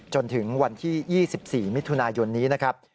จนถึงวันที่๒๔มิถุนายนนี้นะครับ